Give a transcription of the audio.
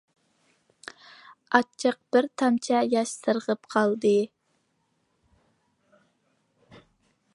ئاچچىق بىر تامچە ياش سىرغىپ قالدى.